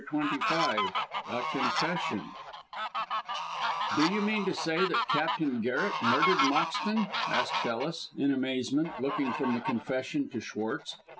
CHAPTER XXV A CONFESSION "Do you mean to say that Captain Garret murdered Moxton?" asked Ellis, in amazement, looking from the confession to Schwartz.